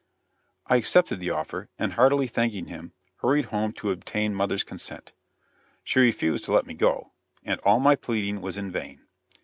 I accepted the offer, and heartily thanking him, hurried home to obtain mother's consent. She refused to let me go, and all my pleading was in vain.